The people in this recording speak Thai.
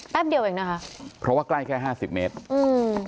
เดียวเองนะคะเพราะว่าใกล้แค่ห้าสิบเมตรอืม